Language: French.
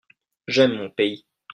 j'aime mon pays.